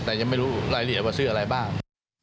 แต่ยังไม่รู้รายละเอียดว่าซื้ออะไรบ้าง